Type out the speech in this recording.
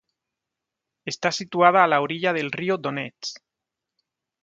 Está situada a la orilla del río Donets.